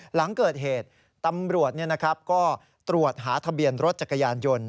หลังเกิดเหตุตำรวจก็ตรวจหาทะเบียนรถจักรยานยนต์